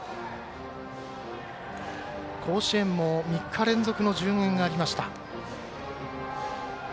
甲子園も３日連続の順延がありました。